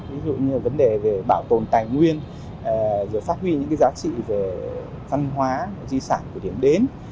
ví dụ như là vấn đề về bảo tồn tài nguyên rồi phát huy những giá trị về văn hóa di sản của điểm đến